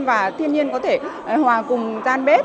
và thiên nhiên có thể hòa cùng gian bếp